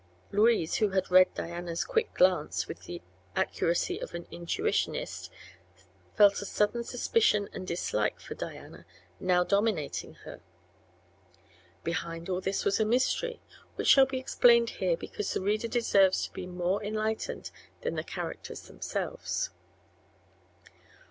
Louise, who had read Diana's quick glance with the accuracy of an intuitionist, felt a sudden suspicion and dislike for Diana now dominating her. Behind all this was a mystery, which shall be explained here because the reader deserves to be more enlightened than the characters themselves.